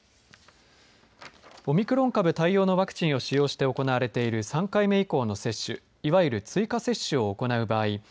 オミクロン株対応のワクチンを使用して行われている３回目以降の接種いわゆる追加接種を行う場合